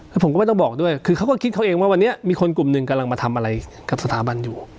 แล้วผมก็ไม่ต้องบอกด้วยคือเขาก็คิดเขาเองว่าวันนี้มีคนกลุ่มหนึ่งกำลังมาทำอะไรกับสถาบันอยู่